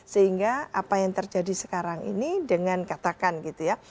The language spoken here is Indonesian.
sehingga apa yang terjadi sekarang ini dengan katakan gitu ya